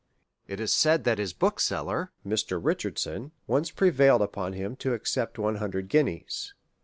It is said that his bookseller, Mr. Richardson, once pre vailed upon him to accept one hundred guineas.